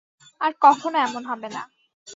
আর কখনো এমন হবে না।